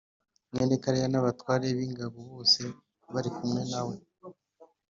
mwene Kareya n abatware b ingabo bose bari kumwe na we